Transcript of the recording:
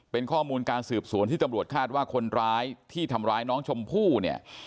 เป็นข้อมูลการสืบสวนที่ตำรวจคาดว่าคนร้ายที่ทำร้ายน้องชมพู่เนี่ย